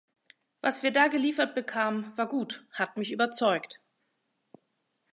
Was wir da geliefert bekamen, war guthat mich überzeugt.